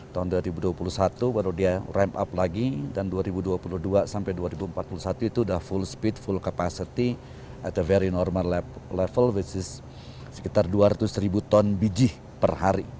tahun dua ribu dua puluh satu baru dia rem up lagi dan dua ribu dua puluh dua sampai dua ribu empat puluh satu itu sudah full speed full capacity atau very normal level which is sekitar dua ratus ribu ton biji per hari